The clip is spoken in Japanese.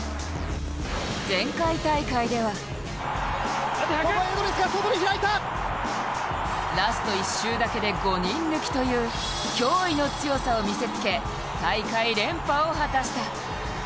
前回大会ではラスト１周だけで５人抜きという驚異の強さを見せつけ大会連覇を果たした。